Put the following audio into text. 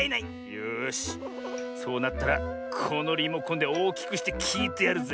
よしそうなったらこのリモコンでおおきくしてきいてやるぜ。